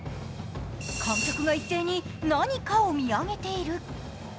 観客が一斉に何かを見上げている。